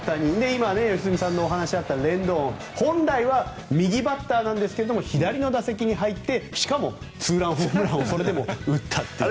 今、良純さんのお話があったレンドン、本来は右バッターなんですけれども左の打席に入ってしかもツーランホームランをそれでも打ったという。